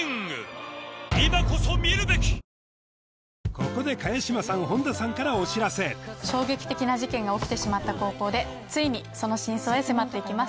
ここで衝撃的な事件が起きてしまった高校でついにその真相へ迫っていきます。